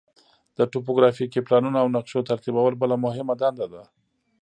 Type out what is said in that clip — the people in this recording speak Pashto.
د توپوګرافیکي پلانونو او نقشو ترتیبول بله مهمه دنده ده